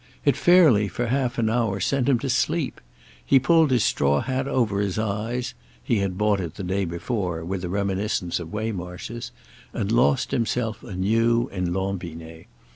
It fairly, for half an hour, sent him to sleep; he pulled his straw hat over his eyes—he had bought it the day before with a reminiscence of Waymarsh's—and lost himself anew in Lambinet.